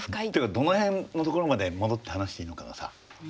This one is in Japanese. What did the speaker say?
っていうかどの辺のところまで戻って話していいのかがさ。